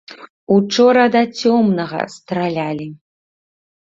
Учора да цёмнага стралялі.